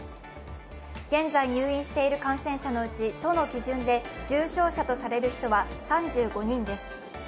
現在入院している感染者のうち、都の基準で重症者とされる人は３５人です。